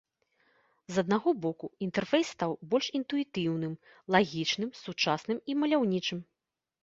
З аднаго боку, інтэрфейс стаў больш інтуітыўным, лагічным, сучасным і маляўнічым.